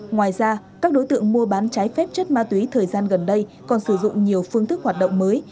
ngoài ra các đối tượng mua bán trái phép chất ma túy thời gian gần đây còn sử dụng nhiều phương thức hoạt động mới